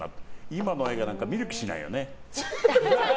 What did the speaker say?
今の映画なんか見る気しないよね。